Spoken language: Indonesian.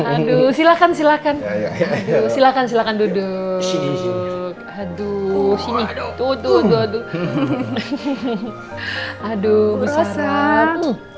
aduh silahkan silahkan silahkan silahkan duduk hidup duduk haduh mau merosta nih